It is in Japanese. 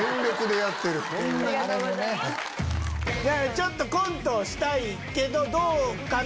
ちょっとコントをしたいけどどうかなって。